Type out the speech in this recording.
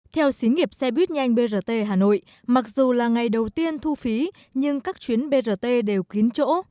theo xí nghiệp xe buýt nhanh brt hà nội mặc dù là ngày đầu tiên thu phí nhưng các chuyến brt đều kín chỗ